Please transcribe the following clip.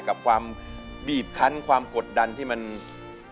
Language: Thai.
กับความบีบคันความกดดันที่มัน